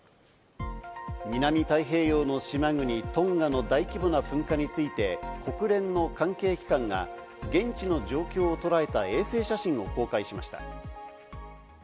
南太平洋の島国・トンガの大規模な噴火について国連の関係機関が現地の状況をとらえた衛星写真を公開しました。